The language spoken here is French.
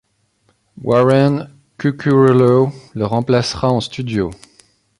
Warren Cuccurullo le remplacera en studio.